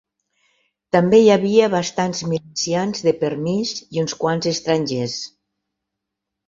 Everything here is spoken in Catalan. També hi havia bastants milicians de permís i uns quants estrangers.